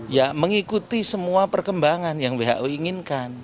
ya mengikuti semua perkembangan yang who inginkan